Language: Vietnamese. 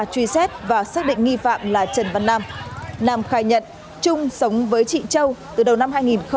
truy xét và xác định nghi phạm là trần văn nam nam khai nhận trung sống với chị châu từ đầu năm hai nghìn hai mươi hai